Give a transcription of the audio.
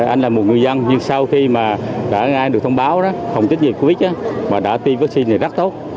anh là một người dân nhưng sau khi mà đã ngay được thông báo đó phòng tích dịch covid đó mà đã tiêm vaccine này rất tốt